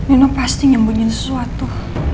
ini pasti nyembunyi sesuatu